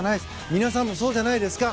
皆さんもそうじゃないですか。